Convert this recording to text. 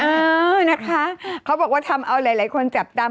เออนะคะเขาบอกว่าทำเอาหลายคนจับตาม